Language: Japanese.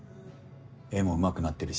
絵も上手くなってるし。